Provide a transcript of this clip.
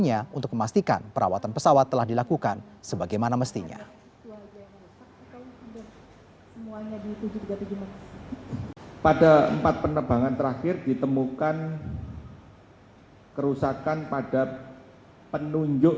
jadi kami sedang secara mendetail mempelajari baik interview dari penerbang penerbang yang menerbakan sebelumnya